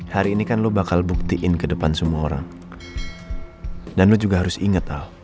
hari ini kan lo bakal buktiin ke depan semua orang